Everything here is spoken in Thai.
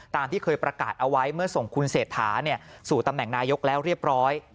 ที่เคยประกาศเอาไว้เมื่อส่งคุณเศรษฐาสู่ตำแหน่งนายกแล้วเรียบร้อย